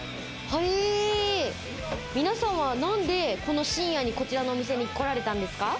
皆さんはなんで、この深夜に、こちらのお店に来られたんですか？